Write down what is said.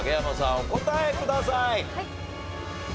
お答えください。